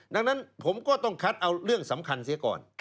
ดังนั้นผมก็ต้องคัดเอาเรื่องสำคัญเสียก่อน